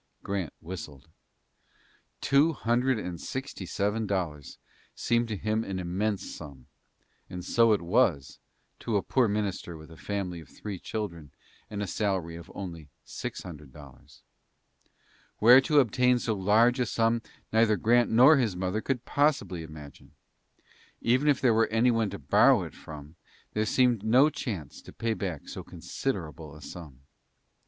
Grant whistled. Two hundred and sixty seven dollars seemed to him an immense sum, and so it was, to a poor minister with a family of three children and a salary of only six hundred dollars. Where to obtain so large a sum neither Grant nor his mother could possibly imagine. Even if there were anyone to borrow it from, there seemed no chance to pay back so considerable a sum.